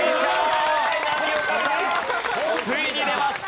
ついに出ました！